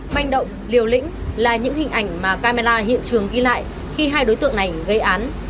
manh động liều lĩnh là những hình ảnh mà camera hiện trường ghi lại khi hai đối tượng này gây án